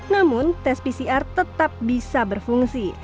namun tes pcr tetap bisa berfungsi